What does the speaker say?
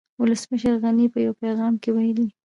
ولسمشر غني په يو پيغام کې ويلي